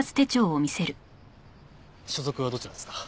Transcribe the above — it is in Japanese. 所属はどちらですか？